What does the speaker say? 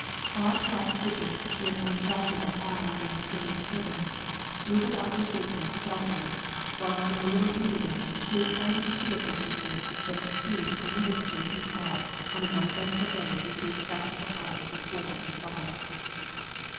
Odd black figures, with unfathomable eyes and strange turbans, move about their business stealthily, whilst in the little duty room two kindly theatre sisters dispense tea to any visitors who call on an uneventful day between the fashionable hours of four and five.